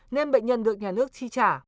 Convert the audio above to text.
nên bệnh nhân được nhà nước chi trả